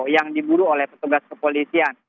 yang diburu oleh petugas kepolisian